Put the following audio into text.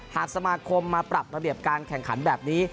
สมาคมมาปรับระเบียบการแข่งขันแบบนี้